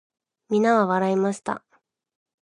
皆は笑いました。